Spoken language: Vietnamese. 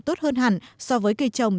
tốt hơn hẳn so với cây trồng